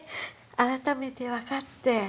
改めて分かって。